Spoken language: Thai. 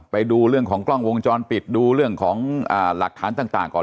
ไปดูเรื่องของกล้องวงจรปิดดูเรื่องของหลักฐานต่างก่อน